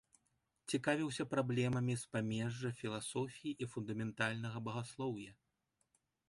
Цікавіўся праблемамі з памежжа філасофіі і фундаментальнага багаслоўя.